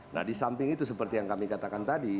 nah di samping itu seperti yang kami katakan tadi